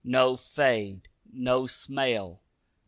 No fade. No smell.